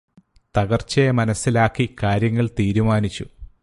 തകർച്ചയെ മനസ്സിലാക്കി കാര്യങ്ങള് തീരുമാനിച്ചു